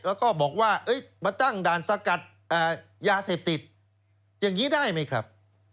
แล้วก็บอกว่ามาตั้งด่านสกัดยาเสพติดอย่างนี้ได้ไหมครับ